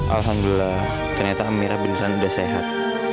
alhamdulillah ternyata amira beneran udah sehat